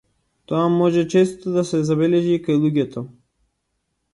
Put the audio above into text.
Тоа може често да се забележи и кај луѓето.